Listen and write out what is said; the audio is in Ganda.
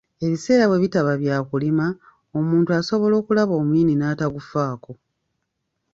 Ebiseera bwe bitaba bya kulima, omuntu asobola okulaba omuyini n’atagufaako.